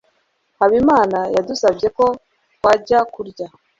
habimana yadusabye ko twajya kurya